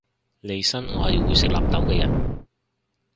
利申我係會食納豆嘅人